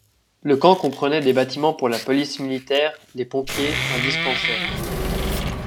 Le camp comprenait des bâtiments pour la police militaire, les pompiers, un dispensaire.